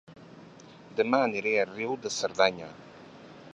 Dema aniré a Riu de Cerdanya